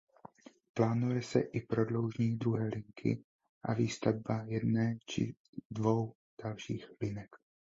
Plánuje se i prodloužení druhé linky a výstavba jedné či dvou dalších linek.